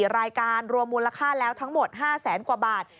๔รายการรวมมูลค่าแล้วทั้งหมด๕แสนกว่าบาท